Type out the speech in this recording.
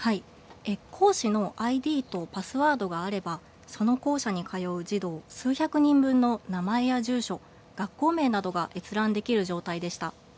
講師のＩＤとパスワードがあればその校舎に通う児童数百人分の名前や住所、学校名などが閲覧できる状態でした。